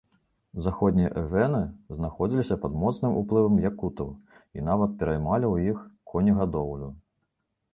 Заходнія эвены знаходзіліся пад моцным уплывам якутаў і нават пераймалі ў іх конегадоўлю.